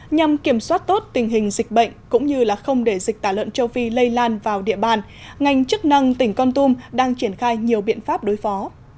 nhằm kiểm soát tốt tình hình dịch bệnh cũng như không để dịch tả lợn châu phi lây lan vào địa bàn ngành chức năng tỉnh con tum đang triển khai nhiều biện pháp đối phó